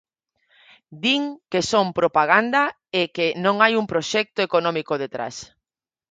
Din que son propaganda e que non hai un proxecto económico detrás.